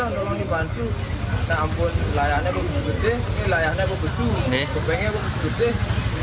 nah ampun layaknya bagus bagus deh layaknya bagus bagus kepingnya bagus bagus deh